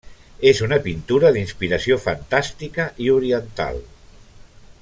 És una pintura d'inspiració fantàstica i oriental.